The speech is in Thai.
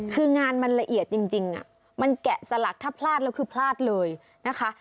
คืองานมันละเอียดจริงมันแกะสลักถ้าพลาดแล้วคือพลาดเลยนะคะ